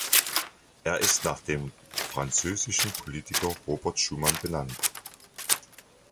Er ist nach dem französischen Politiker Robert Schuman benannt.